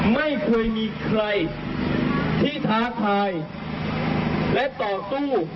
ไม่เคยมีใครที่ท้าทายและต่อสู้